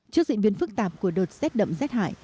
trước diễn biến phức tạp của đợt rét đậm rét hại